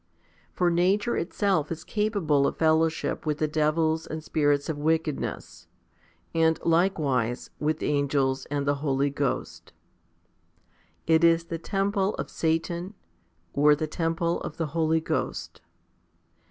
For nature itself is capable of fellow ship with the devils and spirits of wickedness, and likewise with angels and the Holy Ghost. It is the temple of Satan, or the temple of the Holy Ghost.